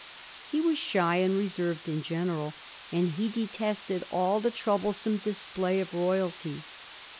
He was shy and reserved in general, and he detested all the troublesome display of royalty.